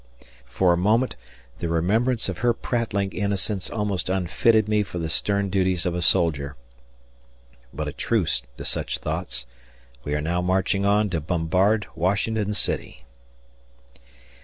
For a moment the remembrance of her prattling innocence almost unfitted me for the stern duties of a soldier, but a truce to such thoughts. We are now marching on to bombard Washington City.